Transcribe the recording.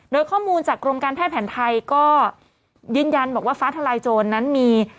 โดยข้อมูลจากกรมการแพทย์แผนไทยก็ยืนยันบอกว่าฟ้าทลายโจรนั้นมี